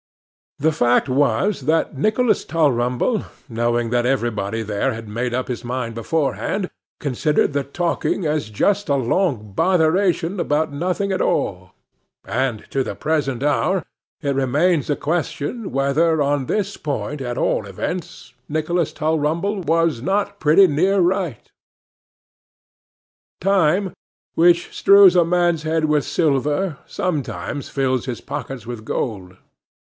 The fact was, that Nicholas Tulrumble, knowing that everybody there had made up his mind beforehand, considered the talking as just a long botheration about nothing at all; and to the present hour it remains a question, whether, on this point at all events, Nicholas Tulrumble was not pretty near right. Time, which strews a man's head with silver, sometimes fills his pockets with gold.